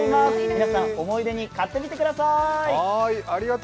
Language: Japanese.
皆さん、思い出に買ってみてください。